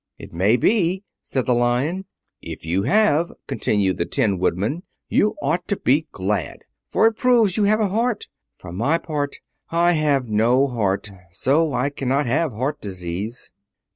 "It may be," said the Lion. "If you have," continued the Tin Woodman, "you ought to be glad, for it proves you have a heart. For my part, I have no heart; so I cannot have heart disease."